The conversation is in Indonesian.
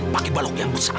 pakai balok yang besar